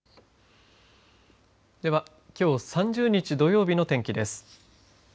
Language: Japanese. では、きょう３０日土曜日の天気です。